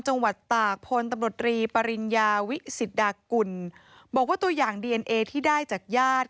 จังหวัดตากพลตำรวจรีปริญญาวิสิทธากุลบอกว่าตัวอย่างดีเอนเอที่ได้จากญาติ